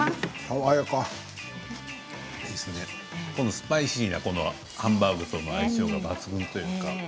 スパイシーなハンバーグとの相性が抜群というか。